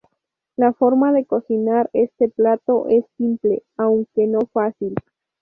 La forma de cocinar este plato es simple, aunque no fácil.